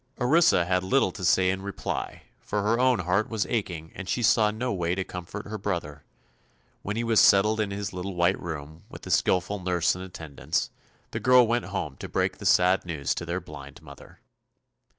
Orissa had little to say in reply, for her own heart was aching and she saw no way to comfort her brother. When he was settled in his little white room, with a skillful nurse in attendance, the girl went home to break the sad news to their blind mother.